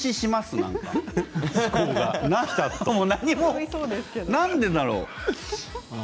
なんでだろう。